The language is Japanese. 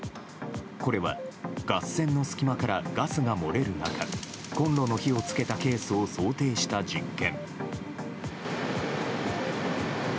これは、ガス栓の隙間からガスが漏れる中コンロの火をつけたケースを想定した実験。